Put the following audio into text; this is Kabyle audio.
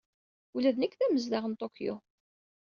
Ula d nekk d amezdaɣ n Tokyo.